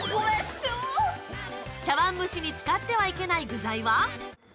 茶わん蒸しに使ってはいけない具材は？